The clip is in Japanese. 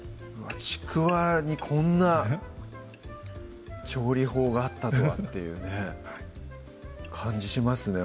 ちくわにこんな調理法があったとはっていうね感じしますね